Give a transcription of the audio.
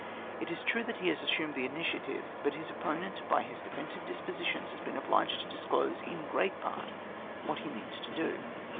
It is true that he has assumed the initiative, but his oppo nent, by his defensive dispositions, has been obliged to disclose, in great pari, what he moans to do.